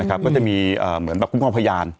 นะครับก็จะมีอ่าเหมือนแบบคุ้มครองพยาน